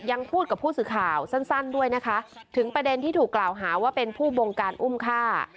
ยังพูดกับผู้สื่อข่าวสั้นด้วยนะคะถึงประเด็นที่ถูกกล่าวหาว่าเป็นผู้บงการอุ้มฆ่า